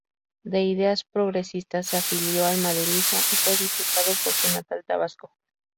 De ideas progresistas, se afilió al maderismo y fue diputado por su natal Tabasco.